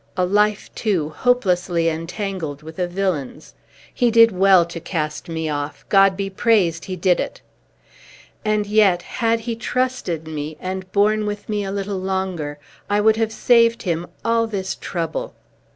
A life, too, hopelessly entangled with a villain's! He did well to cast me off. God be praised, he did it! And yet, had he trusted me, and borne with me a little longer, I would have saved him all this trouble."